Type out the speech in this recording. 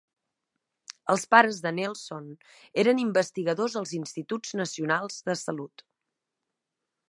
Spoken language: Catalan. Els pares de Nelson eren investigadors als Instituts Nacionals de Salut.